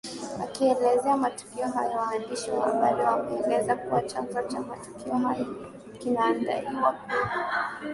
wakielezea matukio hayo waandishi wa habari wameeleza kuwa chanzo cha matukio hayo kinadaiwa kuwa